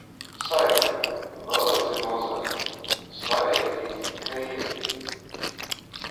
Saime, lela ci moza, svareigi, ka ir.